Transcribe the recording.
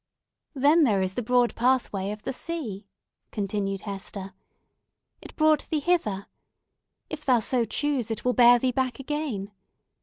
"Then there is the broad pathway of the sea!" continued Hester. "It brought thee hither. If thou so choose, it will bear thee back again.